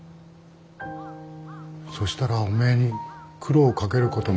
そしたらおめえに苦労かけることも。